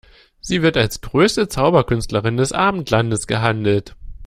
Sie wird als größte Zauberkünstlerin des Abendlandes gehandelt.